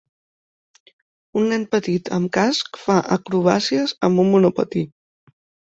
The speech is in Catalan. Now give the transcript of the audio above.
Un nen petit amb casc fa acrobàcies amb un monopatí.